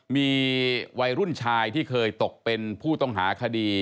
มีวัยรุ่นชายที่เคยตกเป็นผู้ต้องหาคดี